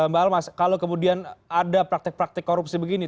mbak almas kalau kemudian ada praktek praktik korupsi begini